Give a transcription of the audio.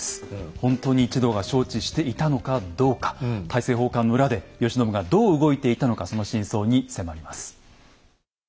ほんとに一同が承知していたのかどうか大政奉還の裏で慶喜がどう動いていたのかその真相に迫ります。